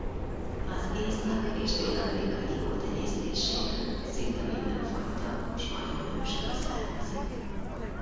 Az észak- és dél-amerikai lótenyésztésében szinte minden fajta spanyol őstől származik.